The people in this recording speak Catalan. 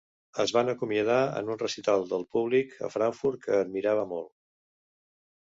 Es van acomiadar en un recital del públic a Frankfurt, que admirava molt.